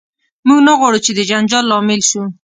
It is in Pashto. موږ نه غواړو چې د جنجال لامل شو.